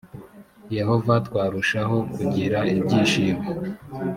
yehova twarushaho kugira ibyishimo